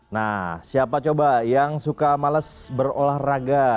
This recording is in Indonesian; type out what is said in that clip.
nah siapa coba yang suka males berolahraga